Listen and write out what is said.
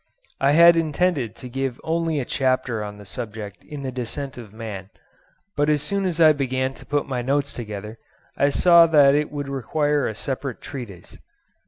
I had intended to give only a chapter on the subject in the 'Descent of Man,' but as soon as I began to put my notes together, I saw that it would require a separate treatise.